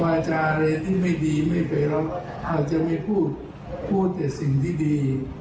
วาจาอะไรที่ไม่ดีไม่เคยรับอาจจะไม่พูดพูดแต่สิ่งที่ดี